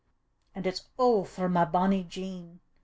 An' it's O for my bonny Jean!